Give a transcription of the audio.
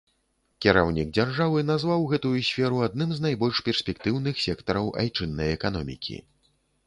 Кіраўнік дзяржавы назваў гэтую сферу адным з найбольш перспектыўных сектараў айчыннай эканомікі.